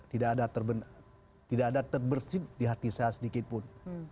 tidak ada terbersih di hati saya sedikitpun